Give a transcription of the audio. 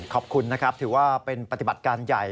ข้อใจว่าเป็นปฏิบัติการใหญ่